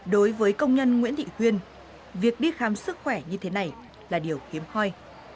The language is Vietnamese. đối với công nhân nguyễn thị khuyên việc đi khám sức khỏe như thế này là điều hiếm hoi